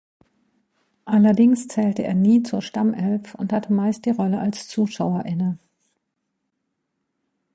Allerdings zählte er nie zur Stammelf und hatte meist die Rolle als Zuschauer inne.